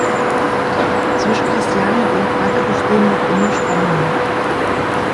Zwischen Christiane und ihrem Vater bestehen noch immer Spannungen.